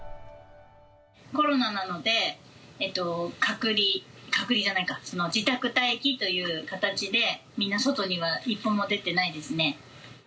コロナなので、隔離、隔離じゃないか、自宅待機という形で、みんな外には一歩も出てないですね。